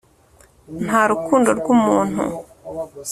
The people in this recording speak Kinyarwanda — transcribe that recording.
nta rukundo rw'umuntu